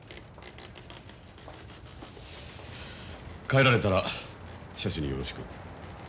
帰られたら社主によろしく。